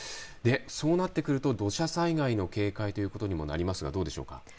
そうなってくると土砂災害の警戒ということにもなりますがどうでしょうか。